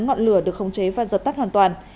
ngọn lửa được không chế và giật tắt hoàn toàn